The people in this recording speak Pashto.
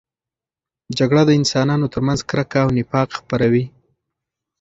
جګړه د انسانانو ترمنځ کرکه او نفاق خپروي.